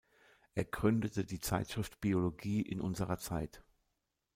Er gründete die Zeitschrift Biologie in unserer Zeit.